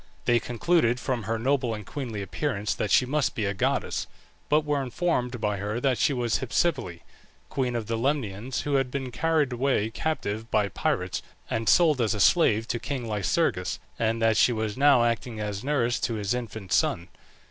They concluded from her noble and queenly appearance that she must be a goddess, but were informed by her that she was Hypsipile, queen of the Lemnians, who had been carried away captive by pirates, and sold as a slave to king Lycurgus, and that she was now acting as nurse to his infant son.